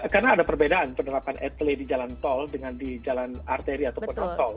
karena ada perbedaan penerapan atles di jalan tol dengan di jalan arteri atau penerapan tol